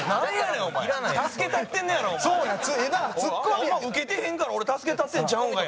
あんまウケてへんから俺助けたってるんちゃうんかい。